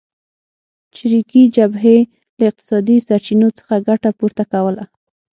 چریکي جبهې له اقتصادي سرچینو څخه ګټه پورته کوله.